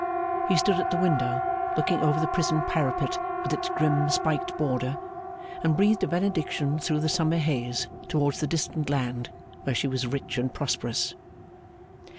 He stood at the window, looking over the prison parapet with its grim spiked border, and breathed a benediction through the summer haze towards the distant land where she was rich and prosperous.